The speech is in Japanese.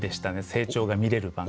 成長が見れる番組。